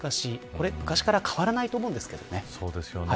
これは昔から変わらないと思うんですけどね。